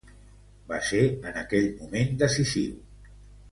Va ser en aquell moment decisiu.